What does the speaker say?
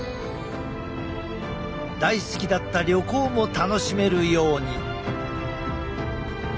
大好きだった旅行も楽しめるように。